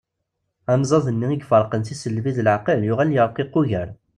Anzaḍ-nni iferqen tisselbi d leεqel yuɣal yerqiq ugar.